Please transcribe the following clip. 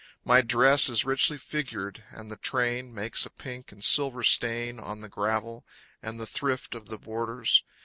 My dress is richly figured, And the train Makes a pink and silver stain On the gravel, and the thrift Of the borders.